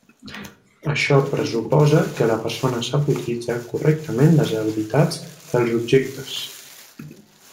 Això pressuposa que la persona sap utilitzar correctament les habilitats dels objectes.